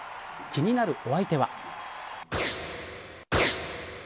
気になるお相手は。